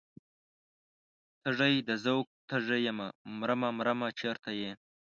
تږی د ذوق تږی یمه مرمه مرمه چرته یې؟